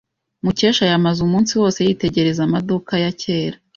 Mukesha yamaze umunsi wose yitegereza amaduka ya kera.